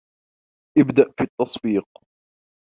ابدأ في التّصفيق.